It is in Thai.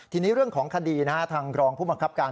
ทีนี้เรื่องของคดีทางรองผู้บังคับการ